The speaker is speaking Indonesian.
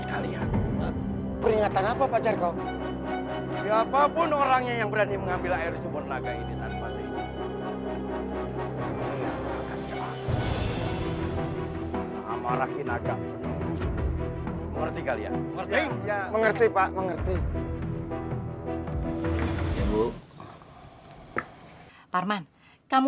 kita melakukan ritual di sana untuk menjaga kejelang matang kamu